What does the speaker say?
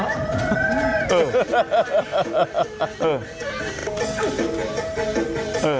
เออเออเออ